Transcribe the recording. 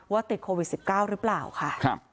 ติดโควิด๑๙หรือเปล่าค่ะ